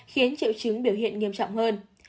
khiến triệu chứng biểu hiện nghiêm trọng hơn